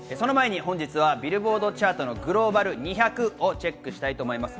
その前に本日はビルボードチャートのグローバル２００をチェックしたいと思います。